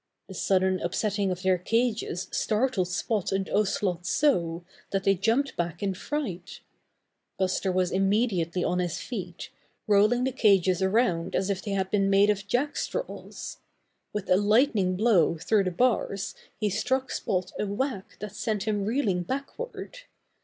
The sudden upsetting of their cages startled Spot and Ocelot so that they jumped back in fright. Buster was immediately on his feet, rolling the cages around as if they had been made of jackstraws. With a lightning blow through the bars he struck Spot a whack that sent him reeling backward.